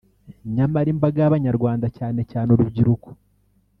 nyamara imbaga y’abanyarwanda cyane cyane urubyiruko